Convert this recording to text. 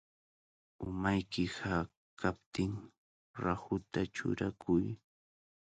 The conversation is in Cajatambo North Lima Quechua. Umayki hakaptin rahuta churakuy.